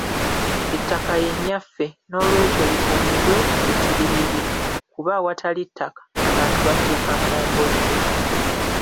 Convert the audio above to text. Ettaka ye Nnyaffe nolwekyo likuumibwe butiribiri, kuba awatali ttaka, abantu bafuuka momboze.